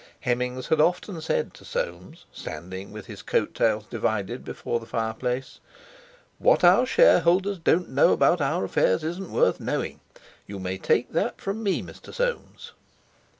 Hemmings had often said to Soames, standing with his coat tails divided before the fireplace: "What our Shareholders don't know about our affairs isn't worth knowing. You may take that from me, Mr. Soames."